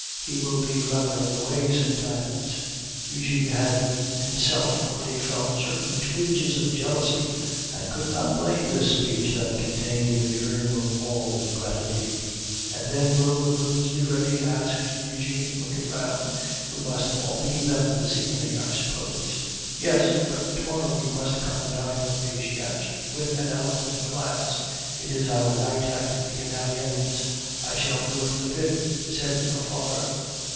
He will be rather in the way sometimes." Eugene had himself already felt certain twinges of jealousy, and could not blame this speech that contained the germ of all ingratitude. "And when will the rooms be ready?" asked Eugene, looking round. "We must all leave them this evening, I suppose." "Yes, but to morrow you must come and dine with me," she answered, with an eloquent glance. "It is our night at the Italiens." "I shall go to the pit," said her father.